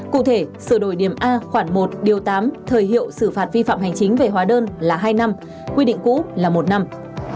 cụ thể sửa đổi điểm a khoản một điều tám thời hiệu xử phạt vi phạm hành chính về hóa đơn là hai năm quy định cũ là một năm